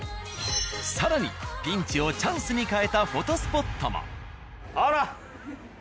更にピンチをチャンスに変えたフォトスポットも！